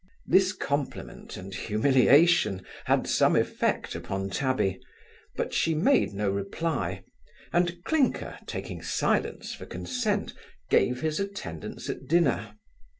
This compliment and humiliation had some effect upon Tabby; but she made no reply; and Clinker, taking silence for consent, gave his attendance at dinner.